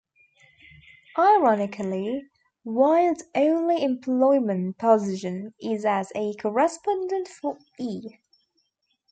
Ironically, Wilde's only employment position is as a correspondent for E!